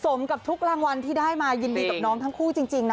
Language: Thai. สมกับทุกรางวัลที่ได้มายินดีกับน้องทั้งคู่จริงนะ